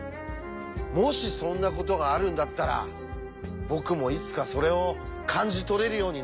もしそんなことがあるんだったら僕もいつかそれを感じ取れるようになってみたい。